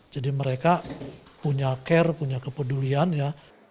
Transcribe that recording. jadi mereka punya care punya kepedulian ya